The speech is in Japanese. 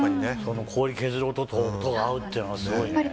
氷削る音と音が合うっていうのはすごいね。